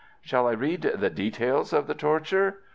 Shall I read the details of the torture?"